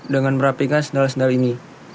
dengan merapikan sendal sendal ini